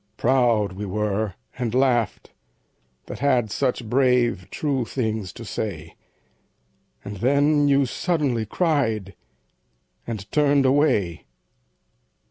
... Proud we were, And laughed, that had such brave true things to say. And then you suddenly cried, and turned away.